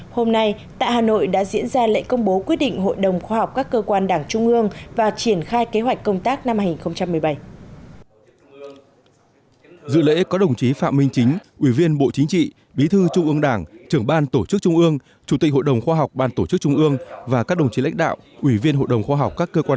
hôm nay tại hà nội đã diễn ra lệnh công bố quyết định hội đồng khoa học các cơ quan